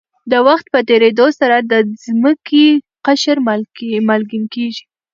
د وخت په تېرېدو سره د ځمکې قشر مالګین کېږي.